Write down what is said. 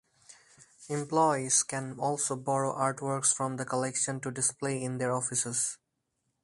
Employees can also borrow art works from the Collection to display in their offices.